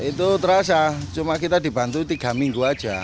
itu terasa cuma kita dibantu tiga minggu aja